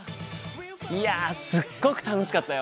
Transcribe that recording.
いやすっごく楽しかったよ！